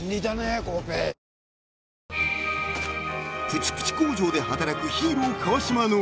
［プチプチ工場で働くヒーロー川島の］